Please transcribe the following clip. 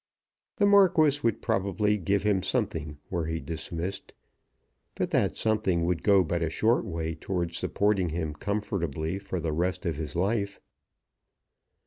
The Marquis would probably give him something were he dismissed; but that something would go but a short way towards supporting him comfortably for the rest of his life.